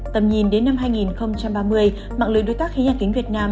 tầm nhìn đến năm hai nghìn ba mươi mạng lưới đối tác khí nhà kính việt nam